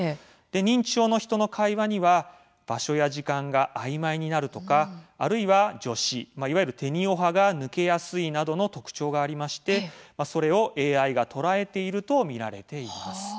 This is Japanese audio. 認知症の人の会話には場所や時間があいまいになるとかあるいは助詞、いわゆるてにをはが抜けやすいなどの特徴がありまして、それをＡＩが捉えていると見られています。